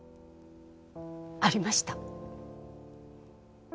ありました。